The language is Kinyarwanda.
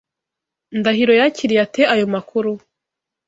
Ndahiro yakiriye ate ayo makuru?